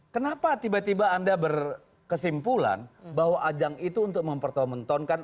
kenapa tiba tiba anda berkesimpulan bahwa ajang itu untuk mempertontonkan